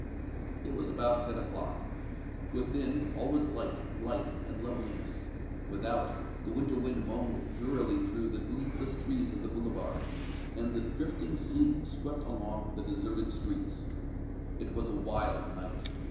It was about ten o'clock. Within, all was light, life and loveliness; without, the winter wind moaned drearily through the leafless trees of the Boulevard, and the drifting sleet swept along the deserted streets. It was a wild night.